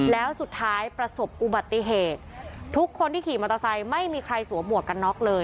แล้วสุดท้ายประสบอุบัติเหตุทุกคนที่ขี่มอเตอร์ไซค์ไม่มีใครสวมหมวกกันน็อกเลย